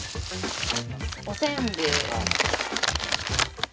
おせんべい。